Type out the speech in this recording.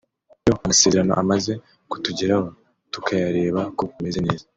Iyo amasezerano amaze kutugeraho tukayareba ko ameze neza